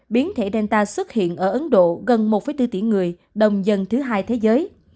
biến thể delta xuất hiện ở ấn độ gần một bốn tỷ người đông dân thứ hai thế giới